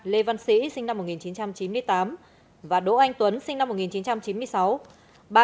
lê văn sĩ sinh năm một nghìn chín trăm chín mươi tám và đỗ anh tuấn sinh năm một nghìn chín trăm chín mươi sáu